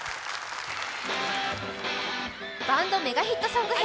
バンドメガヒットソング編。